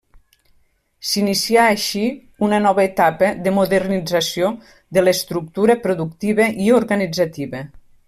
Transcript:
S'inicià així una nova etapa de modernització de l'estructura productiva i organitzativa.